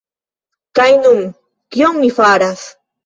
Kaj nun... kion mi faras?